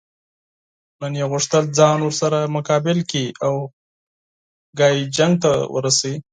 نه یې غوښتل ځان ورسره مقابل کړي او خبره جنګ ته ورسوي.